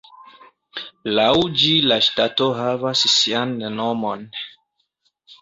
Laŭ ĝi la ŝtato havas sian nomon.